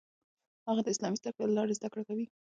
هغه د اسلامي زده کړو له لارې زده کړه کوي.